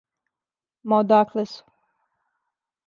Ма, одакле су?